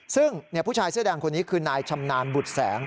ซึ่งผู้ชายเสื้อแดงคนนี้คือนายชำนาญบุตรแสง